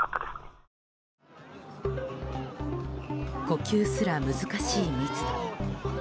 呼吸すら難しい密度。